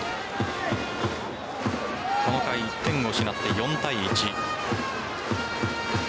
この回、１点を失って４対１。